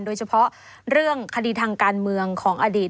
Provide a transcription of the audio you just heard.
โดยเฉพาะเรื่องคดีทางการเมืองของอดีต